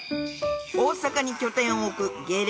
大阪に拠点を置く芸歴